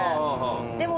でも。